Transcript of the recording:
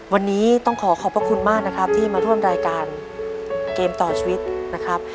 วันนี้ต้องขอขอบพระคุณมากนะครับที่มาร่วมรายการเกมต่อชีวิตนะครับ